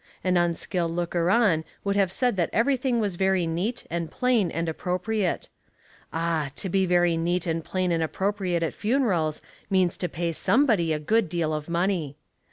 An unskilled looker on would have said that everything was very neat and plain and appropriate. Ah ! to be very neat and plain and appropriate at funerals means to pay somebody a good deal of money.